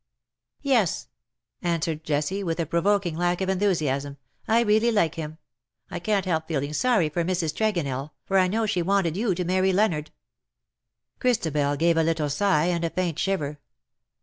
" Yes/ ' answered Jessie, with a provoking lack of enthusiasm. '^ I really like him. I can't help feeling sorry for Mrs. Tregonell, for I know she •wanted you to marry Leonard." Christabel gave a little sigh, and a faint shiver.